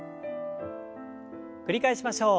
繰り返しましょう。